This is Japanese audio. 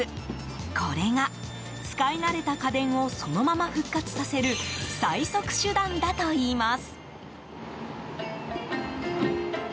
これが、使い慣れた家電をそのまま復活させる最速手段だといいます。